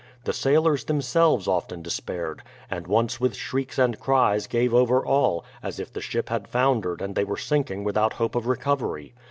The sailors themselves often despaired, and once with shrieks and cries gave over all, as if the ship had foundered and they were sinking without hope of recovery.